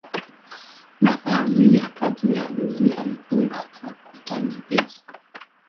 Nafasi kati ya hizi alifunga kwa kuta nyepesi.